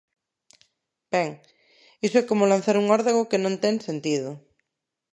Ben, iso é como lanzar un órdago que non ten sentido.